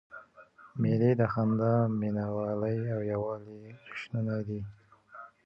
مېلې د خندا، مینوالۍ او یووالي جشنونه دي.